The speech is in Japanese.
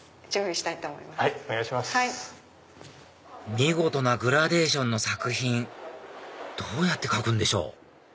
見事なグラデーションの作品どうやって描くんでしょう？